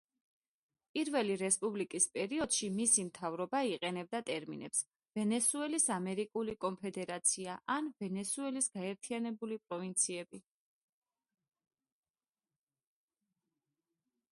პირველი რესპუბლიკის პერიოდში მისი მთავრობა იყენებდა ტერმინებს „ვენესუელის ამერიკული კონფედერაცია“ ან „ვენესუელის გაერთიანებული პროვინციები“.